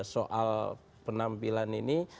soal penampilan ini